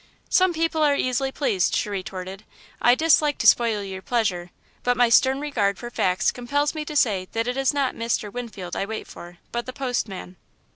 "Some people are easily pleased," she retorted. "I dislike to spoil your pleasure, but my stern regard for facts compels me to say that it is not Mr. Winfield I wait for, but the postman."